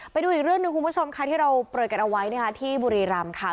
ไปดูอีกเรื่องหนึ่งคุณผู้ชมค่ะที่เราเปิดกันเอาไว้นะคะที่บุรีรำค่ะ